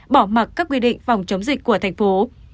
bỏ mặt các quy định phòng chống dịch của thành phố